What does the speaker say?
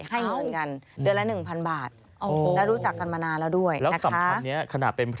ให้เงินกันเดือนละ๑๐๐๐บาท